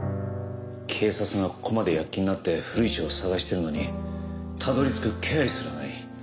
警察がここまで躍起になって古市を捜しているのにたどり着く気配すらない。